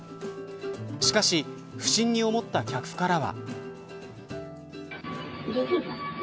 しかし、不審に思った客からは。